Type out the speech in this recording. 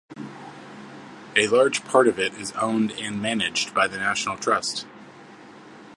A large part of it is owned and managed by the National Trust.